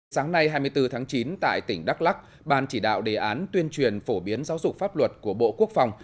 sáng nay hai mươi bốn tháng chín tại tỉnh đắk lắc ban chỉ đạo đề án tuyên truyền phổ biến giáo dục pháp luật của bộ quốc phòng